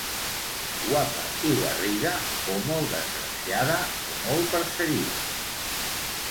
Guapa i garrida, o molt desgraciada o molt perseguida.